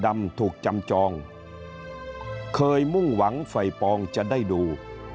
ถูกจำจองเคยมุ่งหวังไฟปองจะได้ดู